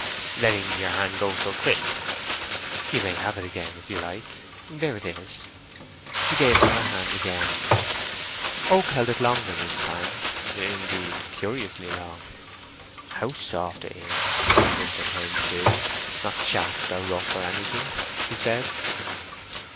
"Letting your hand go so quick." "You may have it again if you like; there it is." She gave him her hand again. Oak held it longer this time—indeed, curiously long. "How soft it is—being winter time, too—not chapped or rough or anything!" he said.